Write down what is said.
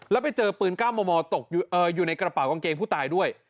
แล้วไปเจอปืน๙มมตกอยู่ในกระเป๋ากางเกงผู้ตายด้วย